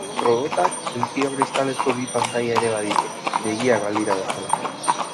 Robotak likido kristalezko bi pantaila ere baditu, begiak balira bezala.